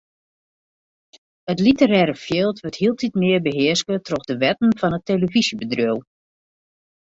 It literêre fjild wurdt hieltyd mear behearske troch de wetten fan it telefyzjebedriuw.